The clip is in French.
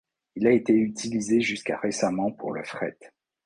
Il a été utilisé jusqu'à récemment pour le fret.